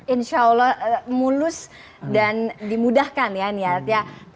insya allah mulus dan dimudahkan ya niat ya